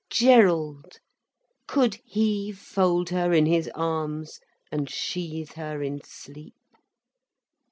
Gerald! Could he fold her in his arms and sheathe her in sleep?